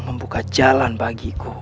membuka jalan bagiku